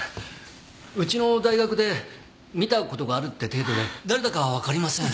うちの大学で見た事があるって程度で誰だかわかりません。